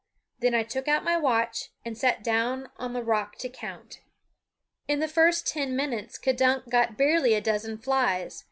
Then I took out my watch and sat down on a rock to count. In the first ten minutes K'dunk got barely a dozen flies.